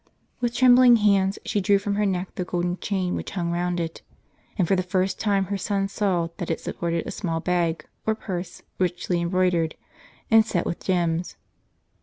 With trembling hands she drew from her neck the golden chain which hung round it, and for the first time her son saw that it supported a small bag or purse richly embroidered and set with gems.